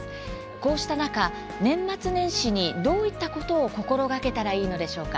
こうした中、年末年始にどういったことを心がけたらいいのでしょうか。